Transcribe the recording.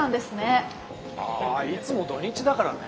あいつも土日だからね。